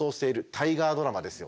大河ドラマだよ。